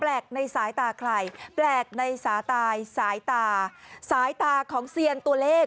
ในสายตาใครแปลกในสาตายสายตาสายตาของเซียนตัวเลข